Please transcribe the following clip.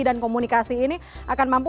dan komunikasi ini akan mampu